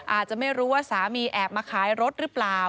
อาจจะไม่รู้ว่าสามีแอบมาขายรถหรือเปล่า